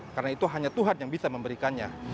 karena itu hanya tuhan yang bisa memberikannya